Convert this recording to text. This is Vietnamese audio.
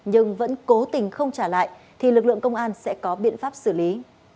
nhưng vẫn cố tình không trả lại thì lực lượng công an sẽ có biện pháp xử lý